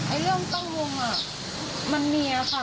อ่าเรื่องตั้งวงมันมีค่ะ